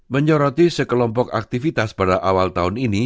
menyoroti sekelompok aktivitas pada awal tahun ini